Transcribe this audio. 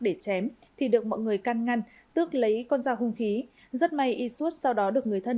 để chém thì được mọi người căn ngăn tước lấy con dao hung khí rất may isud sau đó được người thân